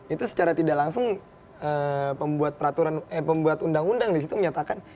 itu secara tidak langsung pembuat peraturan pembuat undang undang di situ menyatakan